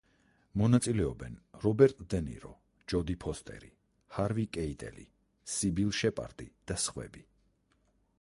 მონაწილეობენ: რობერტ დე ნირო, ჯოდი ფოსტერი, ჰარვი კეიტელი, სიბილ შეპარდი და სხვები.